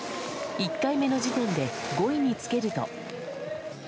１回目の時点で５位につけると。